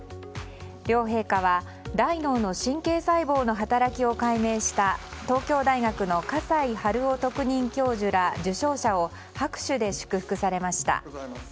両陛下は、大脳の神経細胞の働きを解明した東京大学の河西春郎特任教授ら受賞者を拍手で祝福されました。